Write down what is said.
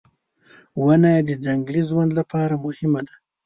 • ونه د ځنګلي ژوند لپاره مهمه ده.